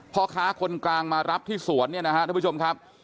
พ่อค้าคนกลางมารับที่สวนเนี่ยนะฮะท่านผู้ชมครับ